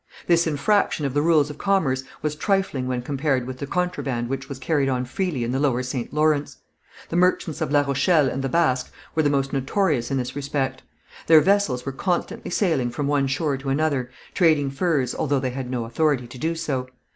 This infraction of the rules of commerce was trifling when compared with the contraband which was carried on freely in the lower St. Lawrence. The merchants of La Rochelle and the Basques were the most notorious in this respect. Their vessels were constantly sailing from one shore to another, trading furs, although they had no authority to do so.